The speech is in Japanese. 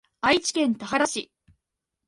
愛知県田原市